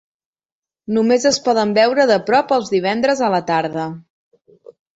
Només es poden veure de prop els divendres a la tarda.